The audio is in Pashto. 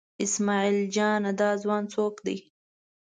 اسمعیل جانه دا ځوان څوک دی؟